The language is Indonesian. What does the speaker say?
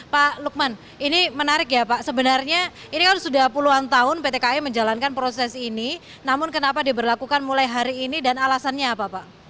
pak lukman ini menarik ya pak sebenarnya ini kan sudah puluhan tahun pt kai menjalankan proses ini namun kenapa diberlakukan mulai hari ini dan alasannya apa pak